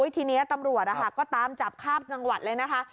ทีนี้ตำรวจก็ตามจับข้ามจังหวัดเลยนะคะ